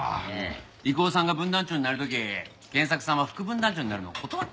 郁夫さんが分団長になる時賢作さんは副分団長になるのを断ったんやて。